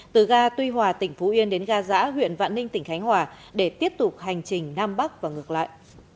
từ ga tuy hòa tỉnh phú yên đến ga giã huyện vạn ninh tỉnh khánh hòa để tiếp tục hành trình nam bắc và ngược lại